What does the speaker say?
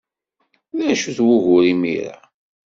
D acu-t wugur imir-a?